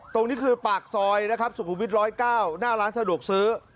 ตรงนี้คือปากซอยนะครับสุขุมวิทย๑๐๙หน้าร้านสะดวกซื้อ